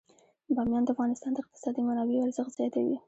بامیان د افغانستان د اقتصادي منابعو ارزښت زیاتوي.